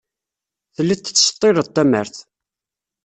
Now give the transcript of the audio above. Telliḍ tettseḍḍileḍ tamart.